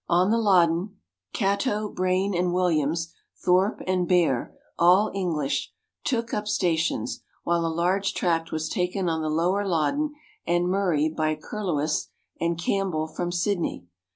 On the Loddon, Catto, Brain and Williams, Thorpe, and Bear all English took up stations ; while a large tract was taken on the Lower Loddon and Murray by Curlewis and Campbell from Sydney.